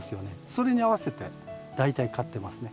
それに合わせて大体刈ってますね。